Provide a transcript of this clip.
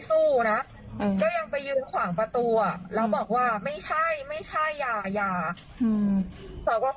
สู้นะยังไปยืนขวางประตูอ่ะแล้วบอกว่าไม่ใช่ไม่ใช่ยายาเพราะว่า